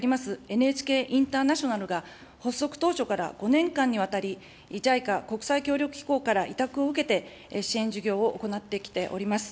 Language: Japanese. ＮＨＫインターナショナルが、発足当初から５年間にわたり、ＪＩＣＡ・国際協力機構から委託を受けて、支援事業を行ってきております。